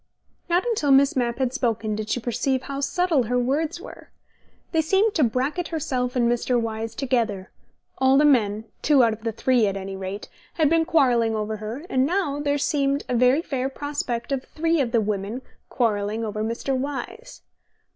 Not until Miss Mapp had spoken did she perceive how subtle her words were. They seemed to bracket herself and Mr. Wyse together: all the men (two out of the three, at any rate) had been quarrelling over her, and now there seemed a very fair prospect of three of the women quarrelling over Mr. Wyse.